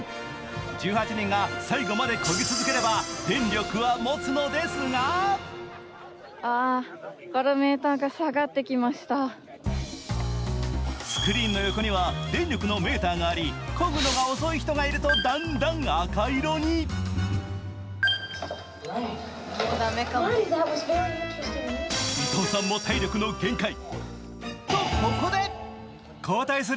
１８人が最後までこぎ続ければ電力はもつのですがスクリーンの横には電力のメーターがありこぐのが遅い人がいるとだんだん赤色に・伊藤さんも体力の限界。とここで！